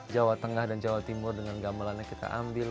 jawa tengah dan jawa timur dengan gamelannya kita ambil